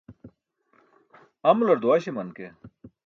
amular duwaśaman ke